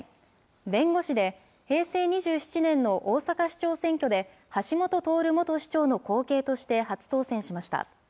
弁護士で、平成２７年の大阪市長選挙で橋下徹元市長の後継として初当選しました。